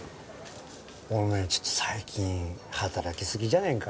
おめえちょっと最近働きすぎじゃねえか？